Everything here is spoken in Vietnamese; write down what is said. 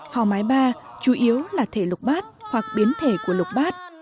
hò mái ba chủ yếu là thể lục bát hoặc biến thể của lục bát